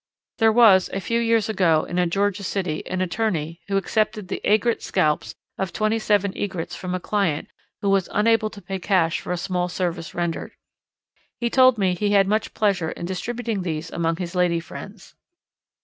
There was a few years ago, in a Georgia city, an attorney who accepted the aigrette "scalps" of twenty seven Egrets from a client who was unable to pay cash for a small service rendered. He told me he had much pleasure in distributing these among his lady friends.